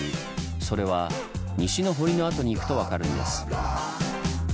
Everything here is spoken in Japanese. それは西の堀の跡に行くと分かるんです。